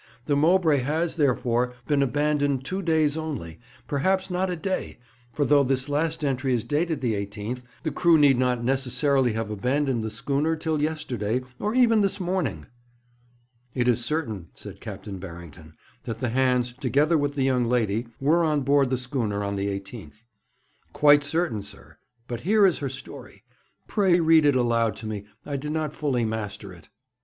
The Mowbray has, therefore, been abandoned two days only, perhaps not a day, for though this last entry is dated the 18th, the crew need not necessarily have abandoned the schooner till yesterday, or even this morning.' 'It is certain,' said Captain Barrington, 'that the hands, together with the young lady, were on board the schooner on the 18th.' 'Quite certain, sir; but here is her story. Pray read it aloud to me; I did not fully master it.'